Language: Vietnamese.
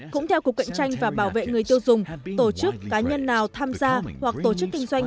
cũng theo cục cạnh tranh và bảo vệ người tiêu dùng tổ chức cá nhân nào tham gia hoặc tổ chức kinh doanh